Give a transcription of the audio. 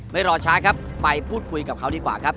รอช้าครับไปพูดคุยกับเขาดีกว่าครับ